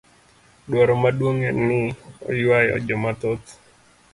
Dwaro maduong' en ni oywayo jo mathoth.